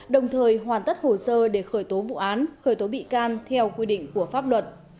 đồng thời hoàn tất hồ sơ để khởi tố vụ án khởi tố bị can theo quy định của pháp luật